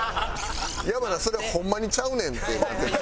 山名それはホンマにちゃうねんってなってた。